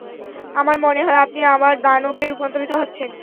আমার মনে হয় আপনি আবার দানবে রূপান্তরিত হচ্ছেন।